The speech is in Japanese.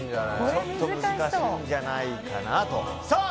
ちょっと難しいんじゃないかなとさあ